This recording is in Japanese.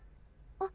あ。